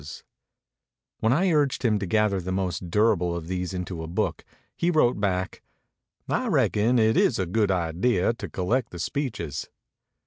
279 MEMORIES OF MARK TWAIN When I urged him to gather the most durable of these into a book, he wrote back, " I reckon it is a good idea to collect the speeches."